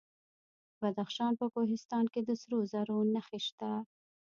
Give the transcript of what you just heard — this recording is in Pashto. د بدخشان په کوهستان کې د سرو زرو نښې شته.